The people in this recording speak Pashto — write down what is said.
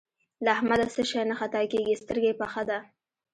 له احمده څه شی نه خطا کېږي؛ سترګه يې پخه ده.